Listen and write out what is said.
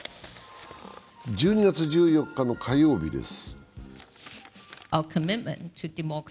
１２月１４日の火曜日です。